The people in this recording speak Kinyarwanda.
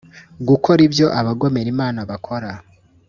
Gukora ibyo abagomera Imana bakora